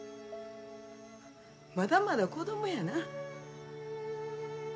まだまだ子供やな。